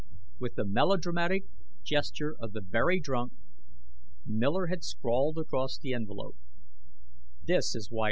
With the melodramatic gesture of the very drunk, Miller had scrawled across the envelope: "This is why I did it!"